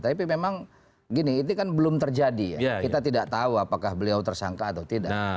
tapi memang gini ini kan belum terjadi ya kita tidak tahu apakah beliau tersangka atau tidak